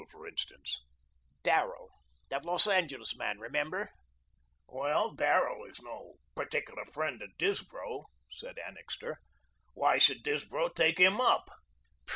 "Who, for instance?" "Darrell, that Los Angeles man remember?" "Well, Darrell is no particular friend of Disbrow," said Annixter. "Why should Disbrow take him up?"